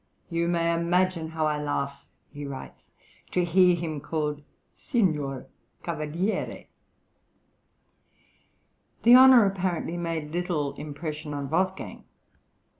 " "You may imagine how I laugh," he writes, "to hear him called Signor Cavaliere." The honour apparently made little impression on Wolfgang.